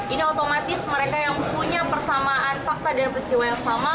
ini otomatis mereka yang punya persamaan fakta dan peristiwa yang sama